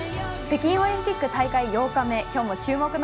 北京オリンピック大会８日目。